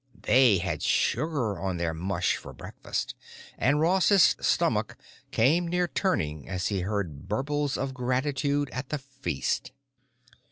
They had sugar on their mush for breakfast, and Ross's stomach came near turning as he heard burbles of gratitude at the feast.